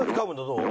どう？